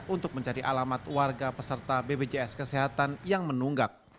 untuk mencari alamat warga peserta bpjs kesehatan yang menunggak